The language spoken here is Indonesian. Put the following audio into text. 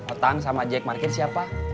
otang sama jack markir siapa